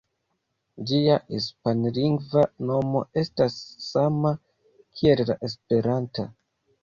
Ĝia hispanlingva nomo estas sama kiel la esperanta.